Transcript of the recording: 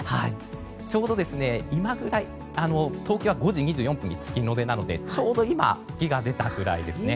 ちょうど今ぐらい、東京は５時２４分が月の出なのでちょうど今月が出たぐらいですね。